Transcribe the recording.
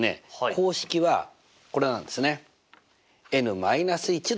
公式はこれなんですね。